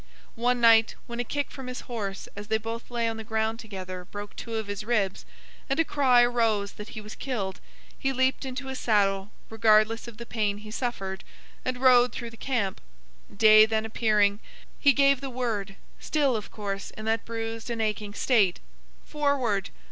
One night, when a kick from his horse as they both lay on the ground together broke two of his ribs, and a cry arose that he was killed, he leaped into his saddle, regardless of the pain he suffered, and rode through the camp. Day then appearing, he gave the word (still, of course, in that bruised and aching state) Forward!